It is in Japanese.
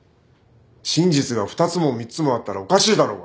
真実が２つも３つもあったらおかしいだろうが。